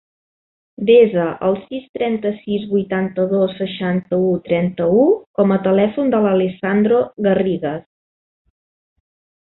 Desa el sis, trenta-sis, vuitanta-dos, seixanta-u, trenta-u com a telèfon de l'Alessandro Garrigues.